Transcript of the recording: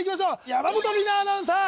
山本里菜アナウンサー